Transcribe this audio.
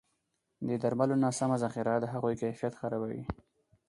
د درملو نه سمه ذخیره د هغوی کیفیت خرابوي.